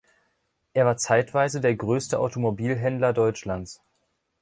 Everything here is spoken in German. Er war zeitweise der größte Automobilhändler Deutschlands.